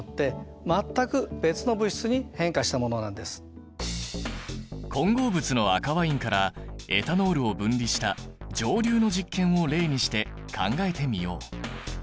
一方混合物の赤ワインからエタノールを分離した蒸留の実験を例にして考えてみよう。